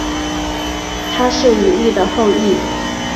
他是以利的后裔。